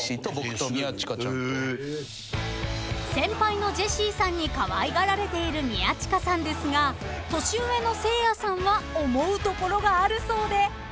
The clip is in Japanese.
［先輩のジェシーさんにかわいがられている宮近さんですが年上のせいやさんは思うところがあるそうで］